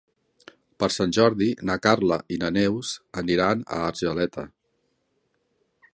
Per Sant Jordi na Carla i na Neus aniran a Argeleta.